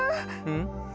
うん？